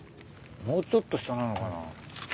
もうちょっと下なのかな？